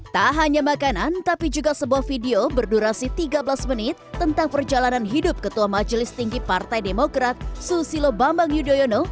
tak hanya makanan tapi juga sebuah video berdurasi tiga belas menit tentang perjalanan hidup ketua majelis tinggi partai demokrat susilo bambang yudhoyono